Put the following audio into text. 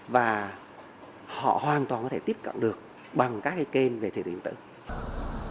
và họ hoàn toàn có thể tiếp cận được bằng các cái kênh về thị trường điện tử